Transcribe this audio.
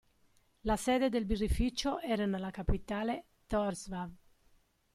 La sede del birrificio era nella capitale Tórshavn.